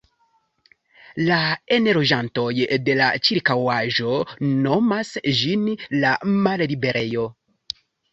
La enloĝantoj de la ĉirkaŭaĵo nomas ĝin "la malliberejo".